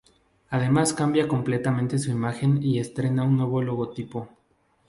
Además cambia completamente su imagen y estrena un nuevo logotipo.